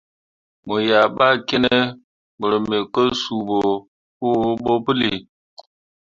Mo yea ɓa kene mor me kwan suu ɓo fuo ɓo pəlli.